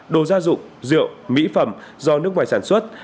đồ gia dụng rượu mỹ phẩm do nước ngoài sản xuất